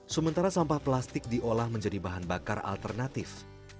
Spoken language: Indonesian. sementara sampah plastik diolah menjadi bahan bakar alternatif